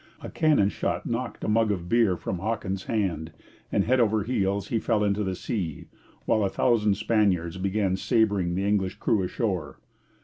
A cannon shot knocked a mug of beer from Hawkins's hand, and head over heels he fell into the sea, while a thousand Spaniards began sabring the English crew ashore.